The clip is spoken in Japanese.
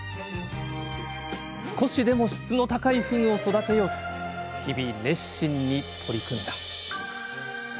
少しでも質の高いふぐを育てようと日々熱心に取り組んだ。